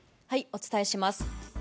お伝えします。